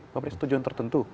pemerintah setujuan tertentu